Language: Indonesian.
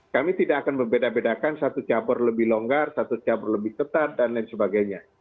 kami tidak akan membedakan satu cabar lebih longgar satu cabar lebih ketat dan lain sebagainya